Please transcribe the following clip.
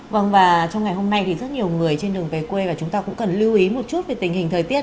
vâng và trong ngày hôm nay thì rất nhiều người trên đường về quê và chúng ta cũng cần lưu ý một chút về tình hình thời tiết